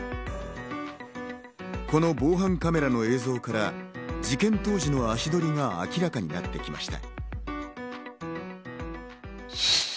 この防犯カメラの映像から事件当時の足取りが明らかになってきました。